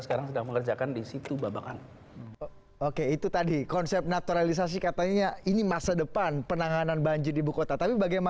eh tau tau dia dapet